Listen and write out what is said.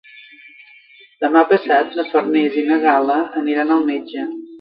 Demà passat na Farners i na Gal·la aniran al metge.